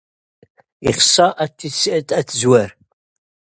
Het moet absolute prioriteit hebben.